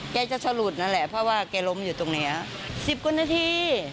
แกจะสลุดนั่นแหละเพราะว่าแกล้มอยู่ตรงนี้๑๐กว่านาที